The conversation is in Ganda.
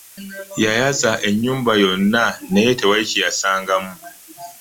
Yayaza enyumba yonna naye tewali kyeyasangamu.